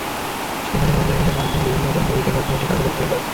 সেখানে অনলাইনের মাধ্যমে বিভিন্ন পণ্য বিক্রয় করার জন্য একটি কার্যালয় খোলেন।